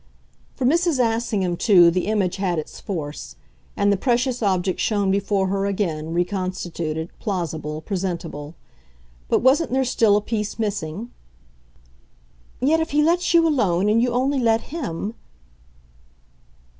For Mrs. Assingham too the image had its force, and the precious object shone before her again, reconstituted, plausible, presentable. But wasn't there still a piece missing? "Yet if he lets you alone and you only let him